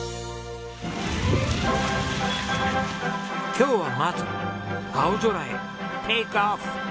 今日はまず青空へテイクオフ！